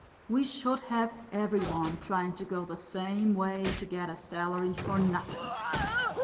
We should have every one trying to go the same way to get a salary for nothing."